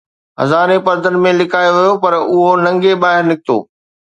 ھزارين پردن ۾ لڪايو ويو ھو، پر اُھو ننگي ٻاھر نڪتو